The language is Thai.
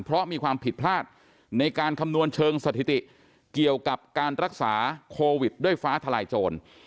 เพราะมีความผิดพลาดในการคำนวณเชิงสถิติเกี่ยวกับการรักษาโควิดด้วยฟ้าทลายโจร